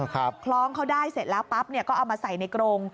คล้องเขาได้เสร็จแล้วปั๊บก็เอามาใส่ในกรง